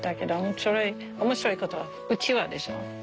面白いことうちわでしょ。